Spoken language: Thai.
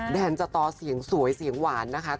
แดนสตอเสียงสวยเสียงหวานนะคะ